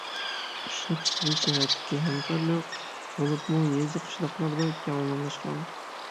ئىشلەپچىقىرىش جەھەتتىكى ھەمكارلىق، بولۇپمۇ يېزا-قىشلاقلاردا كەڭ ئومۇملاشقان.